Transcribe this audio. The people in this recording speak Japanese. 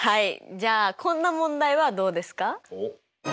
じゃあこんな問題はどうですか？